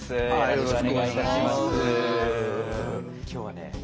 今日はね